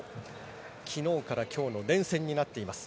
昨日から今日の連戦になっています。